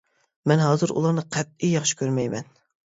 مەن ھازىر ئۇلارنى قەتئىي ياخشى كۆرمەيمەن.